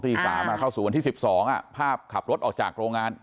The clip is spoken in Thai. ๓เข้าสู่วันที่๑๒ภาพขับรถออกจากโรงงาน